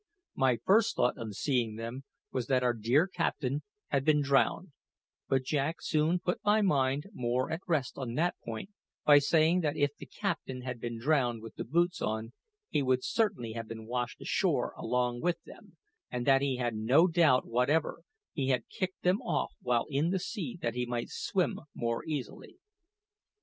My first thought on seeing them was that our dear captain had been drowned; but Jack soon put my mind more at rest on that point by saying that if the captain had been drowned with the boots on, he would certainly have been washed ashore along with them, and that he had no doubt whatever he had kicked them off while in the sea that he might swim more easily.